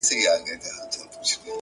علم د انسان د ذهن دروازې پرانیزي،